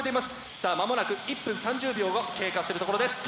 さあまもなく１分３０秒を経過するところです。